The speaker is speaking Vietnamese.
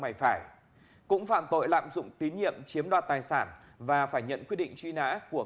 ngoài phải cũng phạm tội lạm dụng tín nhiệm chiếm đoạt tài sản và phải nhận quyết định truy nã của